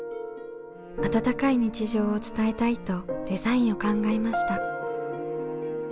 温かい日常を伝えたいとデザインを考えました。